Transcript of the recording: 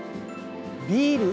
ビール？